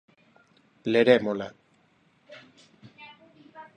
Lerémola.